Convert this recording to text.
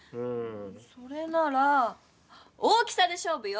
それなら大きさでしょうぶよ！